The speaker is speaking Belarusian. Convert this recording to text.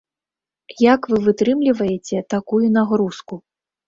Як вы вытрымліваеце такую нагрузку?